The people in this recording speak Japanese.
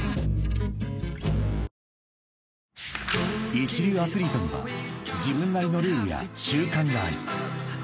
［一流アスリートには自分なりのルールや習慣がある］